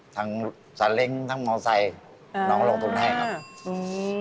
ทั้งสันเล็งทั้งมอเซย์น้องลงทุนให้ครับ